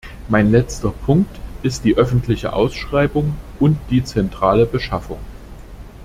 Mein letzter Punkt ist die öffentliche Ausschreibung und die zentrale Beschaffung.